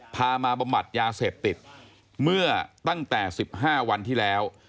พามาบำบัดยาเสพติดเมื่อตั้งแต่๑๕วันที่แล้ว